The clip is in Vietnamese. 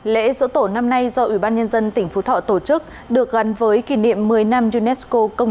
lễ sổ tổ năm nay do ủy ban nhân dân tỉnh phú thọ tổ chức được gắn với kỷ niệm một mươi năm unesco công